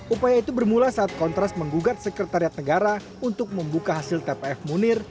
upaya itu bermula saat kontras menggugat sekretariat negara untuk membuka hasil tpf munir